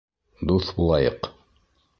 ДУҪ БУЛАЙЫҠ